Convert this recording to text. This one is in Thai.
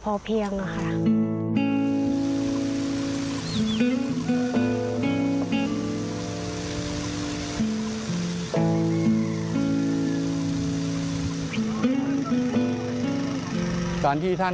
เพื่อให้อุบันตามชายขอบได้เห็นว่าสามารถมีอาชีพได้